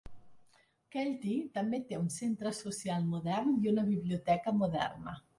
Kelty també té un centre social modern i una biblioteca moderna.